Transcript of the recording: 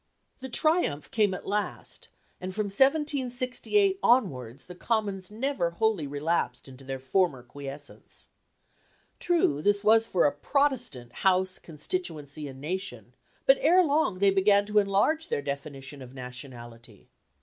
The triumph came at last; and from 1768 onwards the Commons never wholly relapsed into their former quiescence. True, this was for a Protestant House, constituency, and nation; but ere long they began to enlarge their definition of nationality.